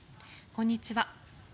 こんにちは。